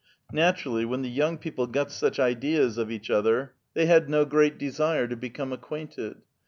Naturally, when the young people got such ideas of each 68 A VITAL QUESTION, other, they bad no great desire to become acquainted.